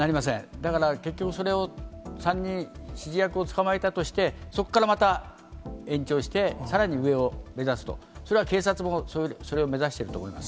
だから、結局、それを３人、指示役を捕まえたとして、そこからまた延長して、さらに上を目指すと、それは警察もそれを目指していると思います。